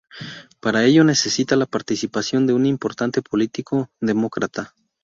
Para ello necesita la participación de un importante político demócrata.